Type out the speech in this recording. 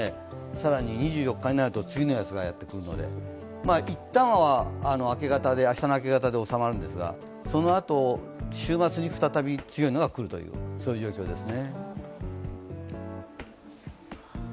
更に２４日になると次のやつがやってくるので、一旦は明日の明け方でおさまるんですが、そのあと週末に再び強いのがくるという、そういう状況ですね。